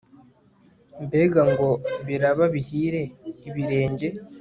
mbega ngo biraba bihire, ibirenge